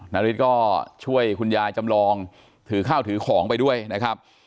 นาริสก็ช่วยคุณยายจำลองถือข้าวถือของไปด้วยนะครับ